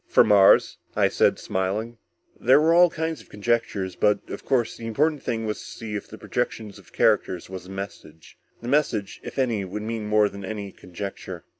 "From Mars?" I said, smiling. "There were all kinds of conjectures, but, of course, the important thing was to see if the projection of characters was a message. The message, if any, would mean more than any conjecture."